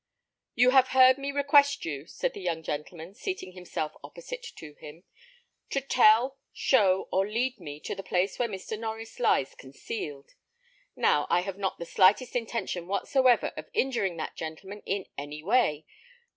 "You have heard me request you," said the young gentleman, seating himself opposite to him, "to tell, show, or lead me to the place where Mr. Norries lies concealed. Now, I have not the slightest intention whatsoever of injuring that gentleman in any way.